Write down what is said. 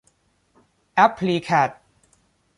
แอพพลิแคด